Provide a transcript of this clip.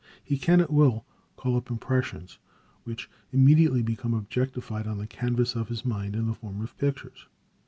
He can at will call up impressions, which immediately become objectified on the canvas of his mind, in the form of pictures.